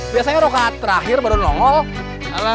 biasanya rokaat terakhir baru nongol